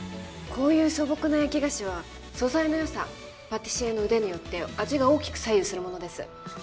こういう素朴な焼き菓子は素材の良さパティシエの腕によって味が大きく左右するものです